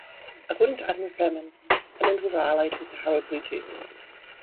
According to Adam of Bremen, Emund was allied with Harold Bluetooth.